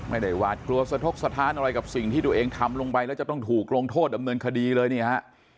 หวาดกลัวสะทกสถานอะไรกับสิ่งที่ตัวเองทำลงไปแล้วจะต้องถูกลงโทษดำเนินคดีเลยนี่ฮะ